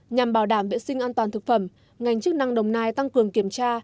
nhằm bảo đảm vệ sinh an toàn thực phẩm ngành chức năng đồng nai tăng cường kiểm tra